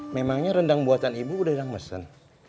memangnya rendang buatan ibu udah ada yang mesen